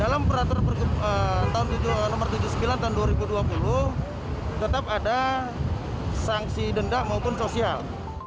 dalam peraturan nomor tujuh puluh sembilan tahun dua ribu dua puluh tetap ada sanksi denda maupun sosial